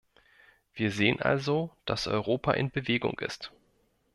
Wir sehen also, dass Europa in Bewegung ist.